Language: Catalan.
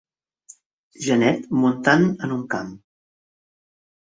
Genet muntant en un camp.